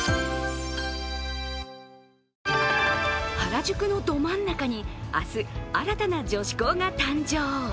原宿のど真ん中に明日、新たな女子校が誕生。